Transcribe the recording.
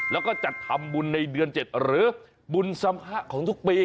แล้วก็จัดทำบุญในเดือน๗หรือบุญสำคะของทุกปี